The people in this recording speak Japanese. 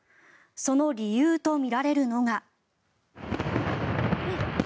その理由とみられるのが。